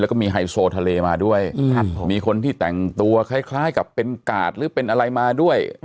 แล้วก็มีไฮโซทะเลมาด้วยมีคนที่แต่งตัวคล้ายกับเป็นกาดหรือเป็นอะไรมาด้วย